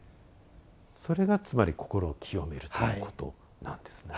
それがつまり心を清めるということなんですね。